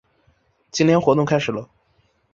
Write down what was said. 今天活动开始啰！